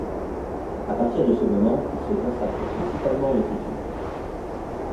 À partir de ce moment, il se consacre principalement à l'écriture.